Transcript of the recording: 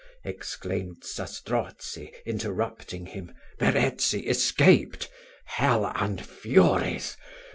exclaimed Zastrozzi, interrupting him, "Verezzi escaped! Hell and furies!